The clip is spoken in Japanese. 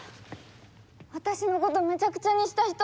私のことめちゃくちゃにした人！